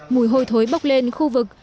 mùi hôi thối bốc lên khu vực